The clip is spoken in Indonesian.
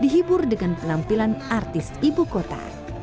dihibur dengan penampilan artis ibu kota